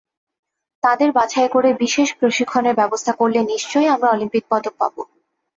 তাঁদের বাছাই করে বিশেষ প্রশিক্ষণের ব্যবস্থা করলে নিশ্চয়ই আমরা অলিম্পিক পদক পাব।